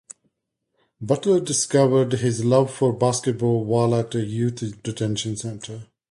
Butler discovered his love for basketball while at a youth detention center.